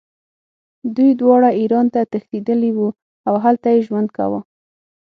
دوی دواړه ایران ته تښتېدلي وو او هلته یې ژوند کاوه.